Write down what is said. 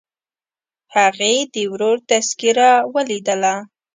هغې د ورور تذکره ولیدله.